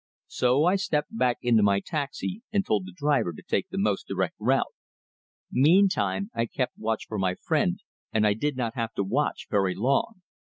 So I stepped back into my taxi, and told the driver to take the most direct route. Meantime I kept watch for my friend, and I did not have to watch very long.